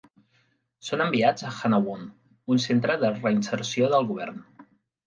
Són enviats a Hanawon, un centre de reinserció del govern.